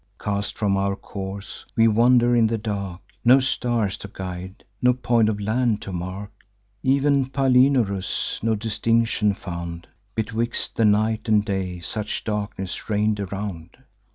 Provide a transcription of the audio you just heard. Cast from our course, we wander in the dark. No stars to guide, no point of land to mark. Ev'n Palinurus no distinction found Betwixt the night and day; such darkness reign'd around.